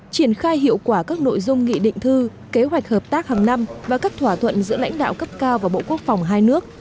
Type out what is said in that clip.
triển khai hiệu quả các nội dung nghị định thư kế hoạch hợp tác hàng năm và các thỏa thuận giữa lãnh đạo cấp cao và bộ quốc phòng hai nước